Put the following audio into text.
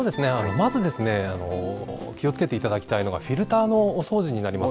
まず気をつけていただきたいのが、フィルターのお掃除になります。